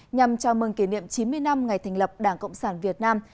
nhằm chào mừng kỷ niệm chín mươi năm ngày thành lập đảng cộng sản việt nam